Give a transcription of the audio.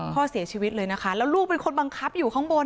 พ่อเสียชีวิตเลยนะคะแล้วลูกเป็นคนบังคับอยู่ข้างบน